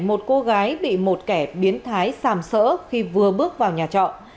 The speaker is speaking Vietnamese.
một cô gái bị một kẻ biến thái xàm sỡ khi vừa bước vào nhà trọ